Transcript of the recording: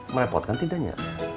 merepotkan tidak ya